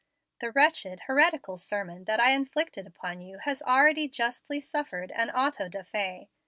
The wretched, heretical sermon that I inflicted upon you has already justly suffered an auto da fe.